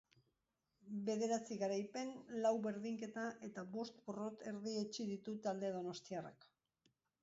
Bederatzi garaipen, lau berdinketa eta bost porrot erdietsi ditu talde donostiarrak.